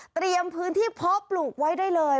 เตรียมพื้นที่เพาะปลูกไว้ได้เลย